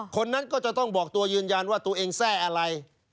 คนนั้นก็จะต้องบอกตัวยืนยันว่าตัวเองแทร่อะไร